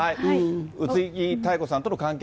宇津木妙子さんとの関係